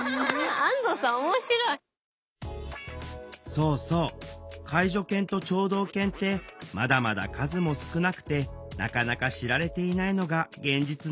そうそう介助犬と聴導犬ってまだまだ数も少なくてなかなか知られていないのが現実なの。